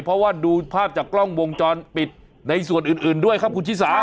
เพราะว่าดูภาพจากกล้องวงจรปิดในส่วนอื่นด้วยครับคุณชิสา